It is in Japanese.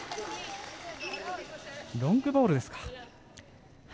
ロングボールですか。